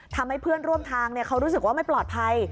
ทำให้เพื่อนร่วมทางเขารู้สึกว่าไม่ปลอดภัย